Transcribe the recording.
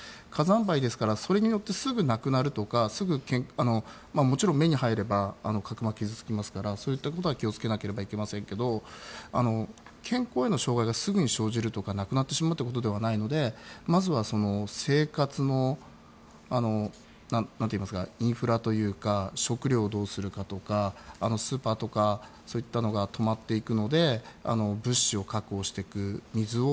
火山灰ですからそれによって、すぐなくなるとか目に入れば角膜が傷つきますからそういったことは気を付けなければいけませんけど健康への障害がすぐに生じるとかなくなってしまうということではないので、まずは生活のインフラというか食料をどうするかとかスーパーとかそういったのが止まっていくので